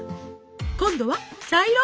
今度は茶色？